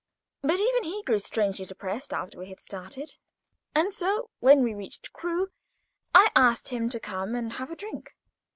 But even he grew strangely depressed after we had started, and so, when we reached Crewe, I asked him to come and have a drink.